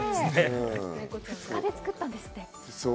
２日で作ったんですって。